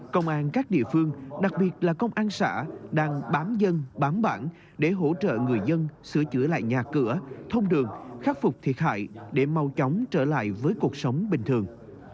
công an các địa phương đặc biệt là công an xã đang bám dân bám bản để hỗ trợ người dân sửa chữa lại nhà cửa thông đường khắc phục thiệt hại để mau chóng trở lại với cuộc sống bình thường